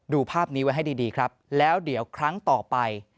ภาพนี้ไว้ให้ดีครับแล้วเดี๋ยวครั้งต่อไป